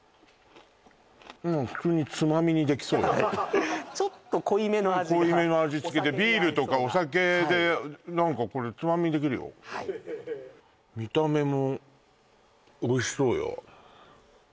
普通につまみにできそうよはいちょっと濃いめの味が濃いめの味付けでビールとかお酒で何かこれつまみにできるよはい見ためもおいしそうよ